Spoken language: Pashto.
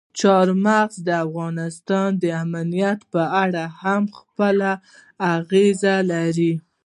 چار مغز د افغانستان د امنیت په اړه هم خپل اغېز لري.